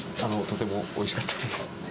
とてもおいしかったです。